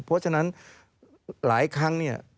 เพราะฉะนั้นหลายครั้งเนี่ย